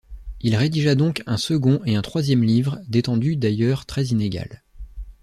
Il rédigea donc un second et un troisième livres, d'étendue d'ailleurs très inégale.